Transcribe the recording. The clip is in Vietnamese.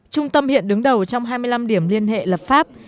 trung tâm hiện đứng đầu trong hai mươi năm điểm liên hệ lập pháp